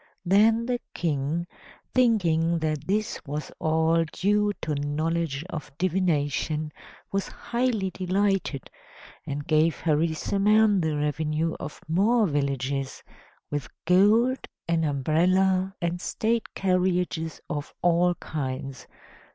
Then the King, thinking that this was all due to knowledge of divination, was highly delighted, and gave Harisarman the revenue of more villages, with gold, an umbrella, and state carriages of all kinds.